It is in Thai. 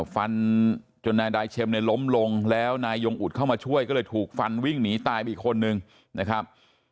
ฟันจนนายดายเช็มเนี่ยล้มลงแล้วนายยงอุดเข้ามาช่วยก็เลยถูกฟันวิ่งหนีตายไปอีกคนนึงนะครับ